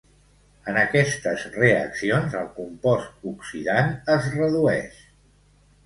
En aquestes reaccions, el compost oxidant es redueix.